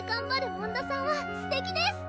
紋田さんはすてきです